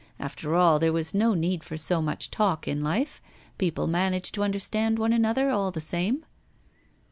After all, there was no need for so much talk in life, people managed to understand one another all the same.